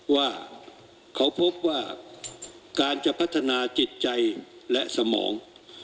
ว่าเขาพบว่าการจะพัฒนาจิตใจและสมอง